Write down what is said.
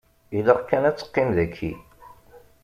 Ilaq kan ad teqqimem daki.